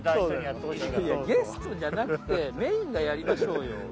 ストじゃなくてメインがやりましょうよ。